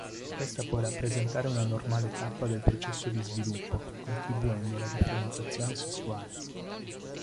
Questa può rappresentare una normale tappa del processo di sviluppo, contribuendo alla differenziazione sessuale.